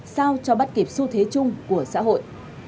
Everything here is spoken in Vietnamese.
sao cho bắt kịp xu thế chung của xã hội